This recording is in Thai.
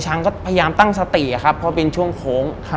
ก็พยายามตั้งสติครับเพราะเป็นช่วงโค้ง